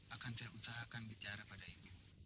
akan saya utarakan bicara pada ibu